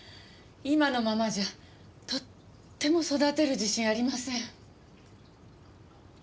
今のままじゃとっても育てる自信ありません。